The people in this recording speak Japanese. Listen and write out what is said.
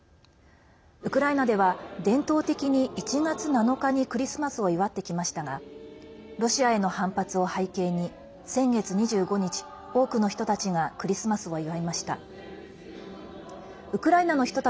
ウクライナでは伝統的に１月７日にクリスマスを祝ってきましたがロシアへの反発を背景に先月２５日、多くの人たちがクリスマスを祝いました。